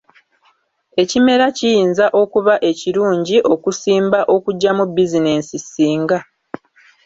Ekimera kiyinza okuba ekirungi okusimba okuggyamu bizinensi singa.